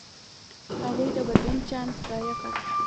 هغوی د بدلون چانس ضایع کړ.